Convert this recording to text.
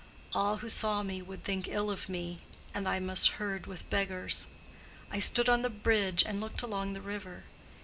All who saw me would think ill of me, and I must herd with beggars. I stood on the bridge and looked along the river.